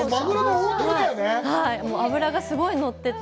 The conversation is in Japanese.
脂がすごい乗ってて。